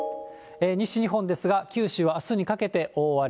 西日本ですが、九州はあすにかけて大荒れ。